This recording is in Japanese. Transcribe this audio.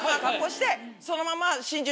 そのまま。